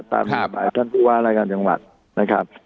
ตามกฎหมายท่านผู้ว่ารายการจังหวัดนะครับ